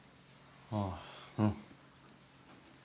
ああうん。